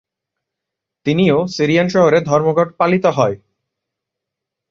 তিনি ও সিরিয়ান শহরে ধর্মঘট পালিত হয়।